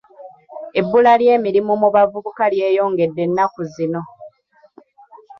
Ebbula ly'emirimu mu bavubuka lyeyongedde ennaku zino.